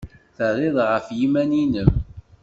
Terrid ɣef yiman-nnem.